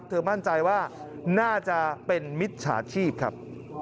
มั่นใจว่าน่าจะเป็นมิจฉาชีพครับ